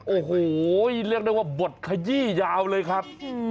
โอ้โหเรียกได้ว่าบทขยี้ยาวเลยครับ